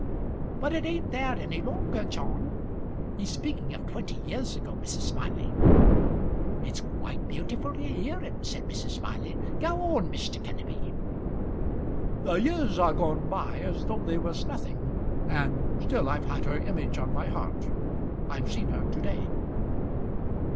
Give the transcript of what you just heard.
"But it ain't there any longer, John? He's speaking of twenty years ago, Mrs. Smiley." "It's quite beautiful to hear him," said Mrs. Smiley. "Go on, Mr. Kenneby." "The years are gone by as though they was nothing, and still I've had her image on my heart. I've seen her to day."